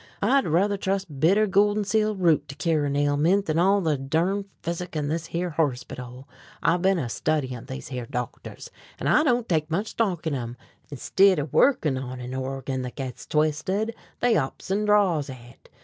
I'd ruther trust bitter goldenseal root to cure a ailment than all the durn physic in this here horspittle. I ben a studyin' these here doctors, an' I don't take much stock in 'em; instid of workin' on a organ thet gets twisted, they ups and draws hit.